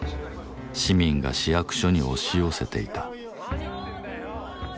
市民が市役所に押し寄せていた。